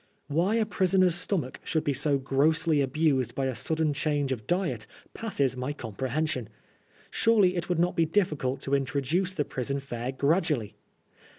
Why a prisoner's stomach should be so grossly abused by a sudden change of diet passes my comprehension. Surely it would not be difficult to introduce the prison fare gradually.